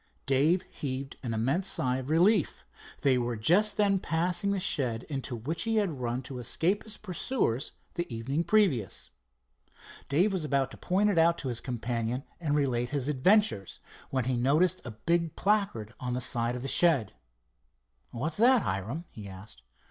Dave heaved an immense sigh of relief. They were just then passing the shed into which he had run to escape his pursuers the evening previous. Dave was about to point it out to his companion and relate his adventures, when he noticed a big placard on the side of the shed. "What's that, Hiram?" he asked.